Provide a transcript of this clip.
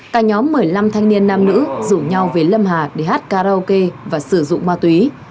cả nhóm một mươi năm thanh niên nam nữ rủ nhau về lâm hà để hát karaoke và sử dụng ma túy